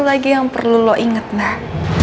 satu lagi yang perlu lo inget mbak